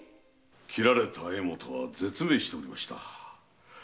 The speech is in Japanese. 斬られた江本は絶命しておりました。